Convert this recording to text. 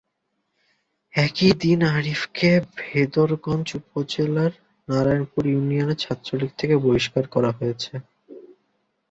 একই দিন আরিফকে ভেদরগঞ্জ উপজেলার নারায়ণপুর ইউনিয়ন ছাত্রলীগ থেকে বহিষ্কার করা হয়।